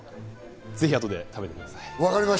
ぜひ、あとで食べてください。